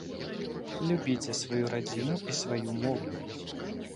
Любіце сваю радзіму і сваю мову.